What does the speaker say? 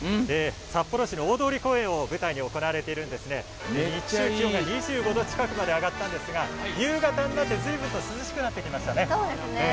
札幌市の大通公園を舞台に行われていまして日中は２５度近くまで上がったんですが夕方になってずいぶんと涼しくなってきました。